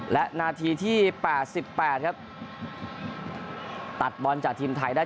และนาทีที่๘๘ครับตัดบอลจากทีมไทยได้